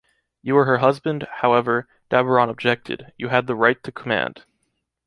You were her husband, however, Daburon objected, you had the right to command.